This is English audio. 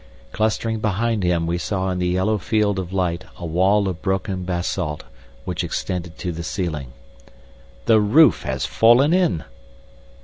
Clustering behind him we saw in the yellow field of light a wall of broken basalt which extended to the ceiling. "The roof has fallen in!"